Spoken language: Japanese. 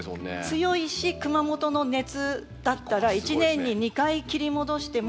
強いし熊本の熱だったら１年に２回切り戻してもまた花が戻ってくる。